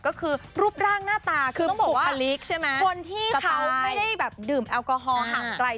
ก็คือรูปร่างหน้าตาเราต้องบอกว่า